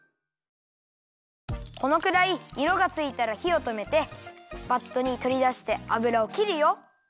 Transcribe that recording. このくらいいろがついたらひをとめてバットにとりだしてあぶらをきるよ。